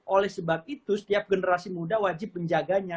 oleh sebab itu setiap generasi muda wajib menjaganya